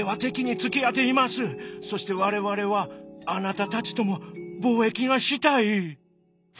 そして我々はあなたたちとも貿易がしたい！」。